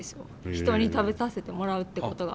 人に食べさせてもらうってことが。